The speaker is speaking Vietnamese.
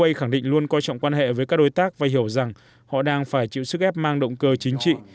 huay khẳng định luôn coi trọng quan hệ với các đối tác và hiểu rằng họ đang phải chịu sức ép mang động cơ chính trị